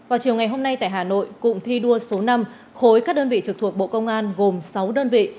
vào chiều ngày hôm nay tại hà nội cụm thi đua số năm khối các đơn vị trực thuộc bộ công an gồm sáu đơn vị